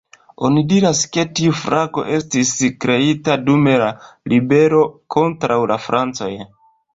Oni diras, ke tiu flago estis kreita dum la ribelo kontraŭ la francoj.